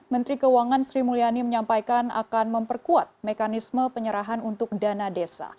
menteri keuangan sri mulyani menyampaikan akan memperkuat mekanisme penyerahan untuk dana desa